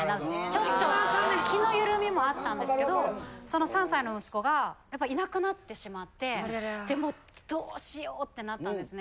ちょっと気の緩みもあったんですけどその３歳の息子がいなくなってしまってもうどうしようってなったんですね。